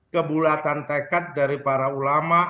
kebulatan tekad dari para ulama